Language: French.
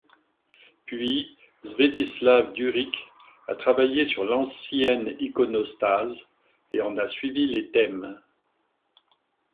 Puis Svetislav Đurić a travaillé sur l'ancienne iconostase et en a suivi les thèmes.